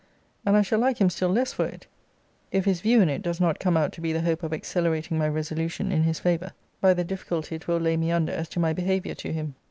And I shall like him still less for it, if his view in it does not come out to be the hope of accelerating my resolution in his favour, by the difficulty it will lay me under as to my behaviour to him.